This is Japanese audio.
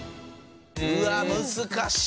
うわっ難しい！